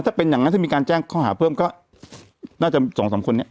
ถ้าเป็นอย่างนั้นถ้ามีการแจ้งข้อหาเพิ่มก็น่าจะสองสามคนนี้